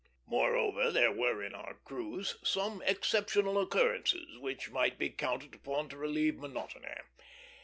Moreover, there were in our cruise some exceptional occurrences which might be counted upon to relieve monotony.